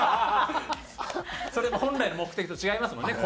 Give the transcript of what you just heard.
それもう本来の目的と違いますもんね。